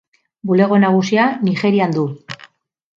Bulego nagusia Nigerian du.